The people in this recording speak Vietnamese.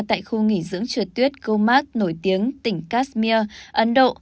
tại khu nghỉ dưỡng trượt tuyết comac nổi tiếng tỉnh kashmir ấn độ